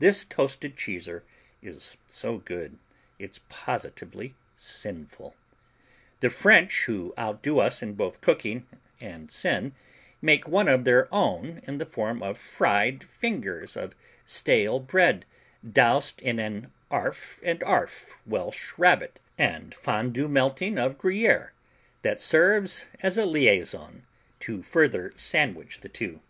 This toasted cheeser is so good it's positively sinful. The French, who outdo us in both cooking and sin, make one of their own in the form of fried fingers of stale bread doused in an 'arf and 'arf Welsh Rabbit and Fondue melting of Gruyère, that serves as a liaison to further sandwich the two.